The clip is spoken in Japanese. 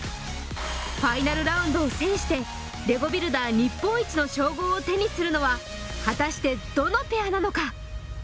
ファイナルラウンドを制してレゴビルダー日本一の称号を手にするのは果たしてどのペアなのか？